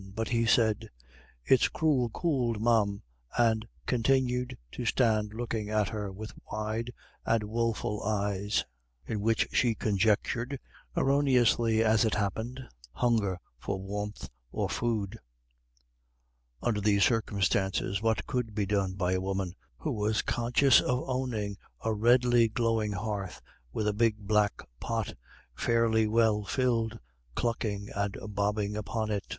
But he said, "It's cruel could, ma'am," and continued to stand looking at her with wide and woful eyes, in which she conjectured erroneously, as it happened hunger for warmth or food. Under these circumstances, what could be done by a woman who was conscious of owning a redly glowing hearth with a big black pot, fairly well filled, clucking and bobbing upon it?